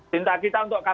cinta kita untuk kpk